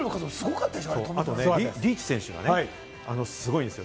あと、リーチ選手がすごいんですよ。